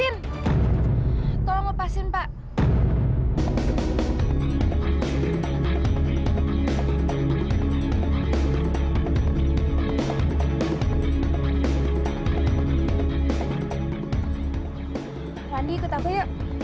lepasin pak randy